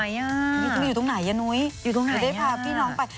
ยังมีอยู่ตรงไหนอะนุ้ยอยู่ตรงไหนได้พาพี่น้องไป